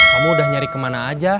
kamu udah nyari kemana aja